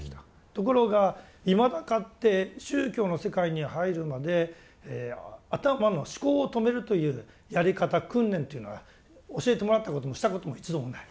ところがいまだかつて宗教の世界に入るまで頭の思考を止めるというやり方訓練というのは教えてもらったこともしたことも一度もない。